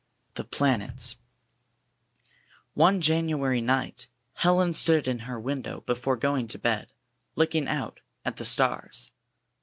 THE PLANETS One January night Helen stood in her window before going to bed, looking out at the stars.